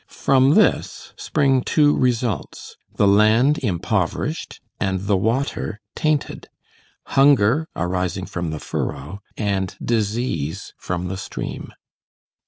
From this spring two results, the land impoverished, and the water tainted. Hunger arising from the furrow, and disease from the stream.